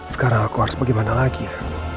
sekarang aku harus bagaimana lagi ya